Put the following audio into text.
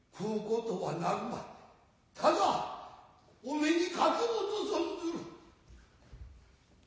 ただお目にかきょうと存ずる。